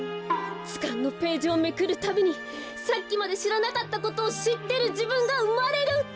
ずかんのページをめくるたびにさっきまでしらなかったことをしってるじぶんがうまれる！